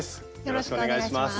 よろしくお願いします。